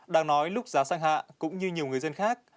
đang nói lúc giá sang hạ cũng như nhiều người dân khác